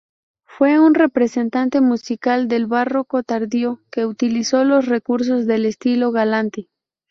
Fue un representante musical del barroco tardío, que utilizó los recursos del estilo galante.